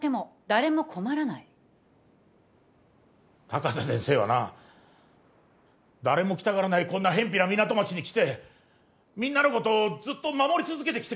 高瀬先生はな誰も来たがらないこんな辺ぴな港町に来てみんなのことをずっと守り続けてきてくれてたんだよ。